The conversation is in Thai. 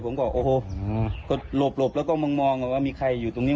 ผมก็โอ้โหก็หลบแล้วก็มองว่ามีใครอยู่ตรงนี้